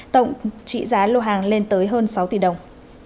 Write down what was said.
tổng trị giá lô hàng lên tới hơn sáu tỷ đồng